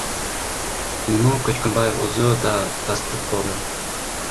Муну Көчкөнбаев өзү да тастыктоодо.